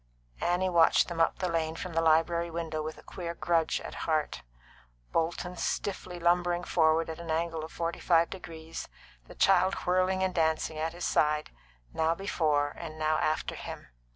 Annie watched them up the lane from the library window with a queer grudge at heart; Bolton stiffly lumbering forward at an angle of forty five degrees, the child whirling and dancing at his side, and now before and now after him.